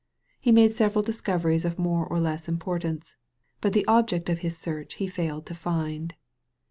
He made several discoveries of more or less importance, but the object of his search he failed to find.